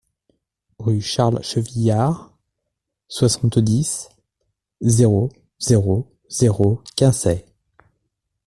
Rue Charles Chevillard, soixante-dix, zéro zéro zéro Quincey